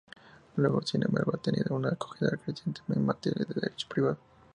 Luego, sin embargo, ha tenido una acogida creciente en materias de derecho privado.